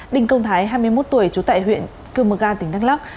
đình công thái hai mươi một tuổi chú tại huyện cương mực an tỉnh đắk lắk